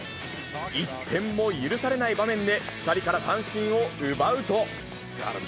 １点も許されない場面で２人から三振を奪うと。